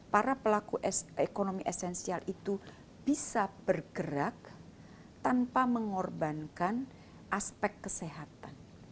para pelaku ekonomi esensial itu bisa bergerak tanpa mengorbankan aspek kesehatan